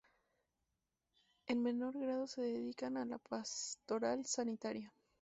En menor grado se dedican a la pastoral sanitaria.